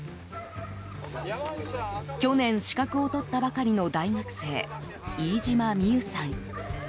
去年資格を取ったばかりの大学生飯島巳夢さん。